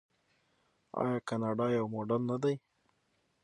آیا کاناډا یو موډل نه دی؟